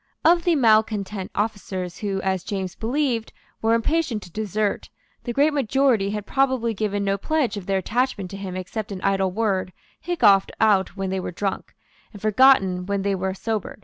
Of the malecontent officers, who, as James believed, were impatient to desert, the great majority had probably given no pledge of their attachment to him except an idle word hiccoughed out when they were drunk, and forgotten when they were sober.